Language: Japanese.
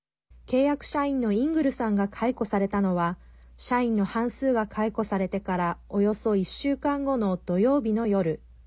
契約社員のイングルさんが解雇されたのは社員の半数が解雇されてからおよそ１週間後の土曜日の夜。